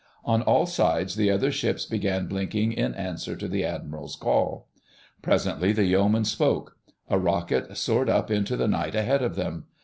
On all sides the other ships began blinking in answer to the Admiral's call. Presently the Yeoman spoke: a rocket soared up into the night ahead of them.